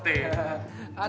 ada ya cewek kayak gitu